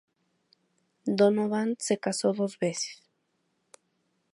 Donovan se casó dos veces.